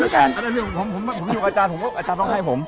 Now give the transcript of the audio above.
เพราะอาจารยากต้องให้ผม